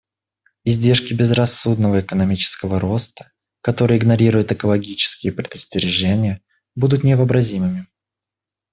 Издержки безрассудного экономического роста, который игнорирует экологические предостережения, будут невообразимыми.